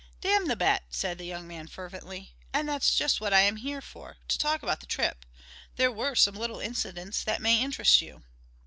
"Damn the bet!" said the young man fervently. "And that's just what I am here for to talk about the trip. There were some little incidents that may interest you."